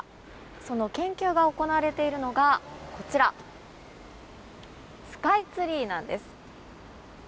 その研究が行われているのがこちらスカイツリーなんです。